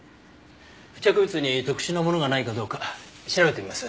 付着物に特殊なものがないかどうか調べてみます。